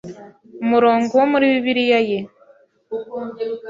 umurongo wo muri Bibiliya ye